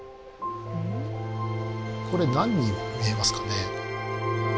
これ何に見えますかね？